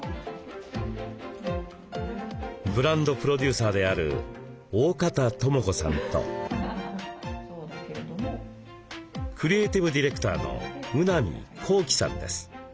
ブランドプロデューサーである大方知子さんとクリエーティブディレクターの宇波滉基さんです。